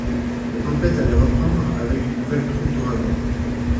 La tempête allait reprendre, avec une nouvelle troupe d’ouragans.